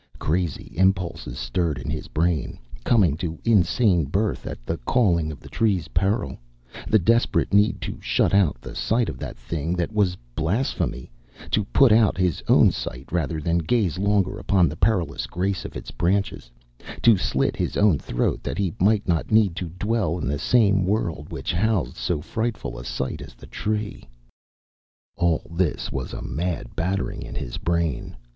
Crazy impulses stirred in his brain, coming to insane birth at the calling of the Tree's peril the desperate need to shut out the sight of that thing that was blasphemy, to put out his own sight rather than gaze longer upon the perilous grace of its branches, to slit his own throat that he might not need to dwell in the same world which housed so frightful a sight as the Tree. All this was a mad battering in his brain.